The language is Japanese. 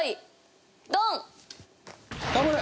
頑張れ！